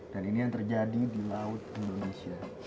dan ini yang terjadi di laut indonesia